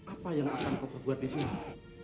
apa yang akan kau berbuat di sini